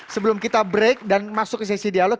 sebelum kita break dan masuk ke sesi dialog